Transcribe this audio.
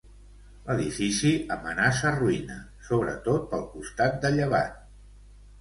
L'edifici amenaça ruïna, sobretot pel costat de llevant.